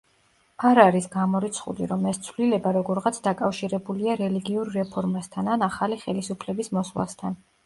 არ არის გამორიცხული, რომ ეს ცვლილება როგორღაც დაკავშირებულია რელიგიურ რეფორმასთან ან ახალი ხელისუფლების მოსვლასთან.